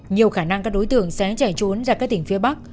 nhiều khả năng các đối tượng sẽ chạy trốn ra các tỉnh phía bắc